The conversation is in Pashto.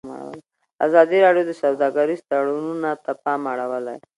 ازادي راډیو د سوداګریز تړونونه ته پام اړولی.